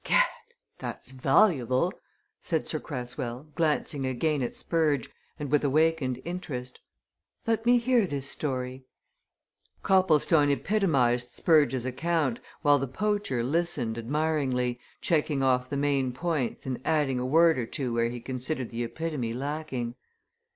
"Gad! that's valuable!" said Sir Cresswell, glancing again at Spurge, and with awakened interest. "Let me hear this story." Copplestone epitomized Spurge's account, while the poacher listened admiringly, checking off the main points and adding a word or two where he considered the epitome lacking.